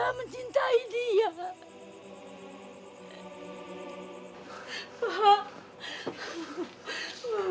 saya mengurusnya saya membesarkannya